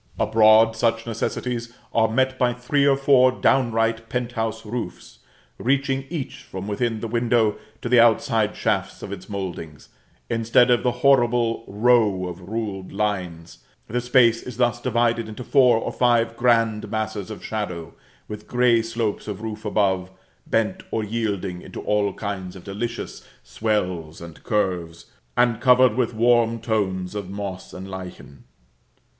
Abroad, such necessities are met by three or four downright penthouse roofs, reaching each from within the window to the outside shafts of its mouldings; instead of the horrible row of ruled lines, the space is thus divided into four or five grand masses of shadow, with grey slopes of roof above, bent or yielding into all kinds of delicious swells and curves, and covered with warm tones of moss and lichen.